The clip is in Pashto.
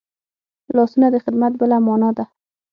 لاسونه د خدمت بله مانا ده